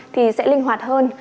thì sẽ linh hoạt hơn